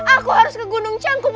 aku harus ke gunung cangkung